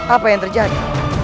apa yang terjadi